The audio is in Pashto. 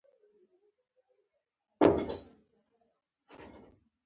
سړی خو په دیوال را واوښت